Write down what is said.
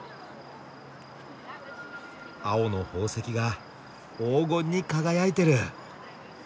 青の宝石が黄金に輝いてる！